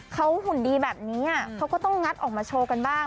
เขาหุ่นดีแบบนี้เขาก็ต้องงัดออกมาโชว์กันบ้าง